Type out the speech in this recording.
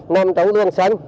nằm trong luồng xanh